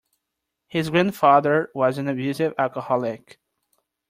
His grandfather was an abusive alcoholic.